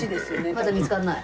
まだ見つからない？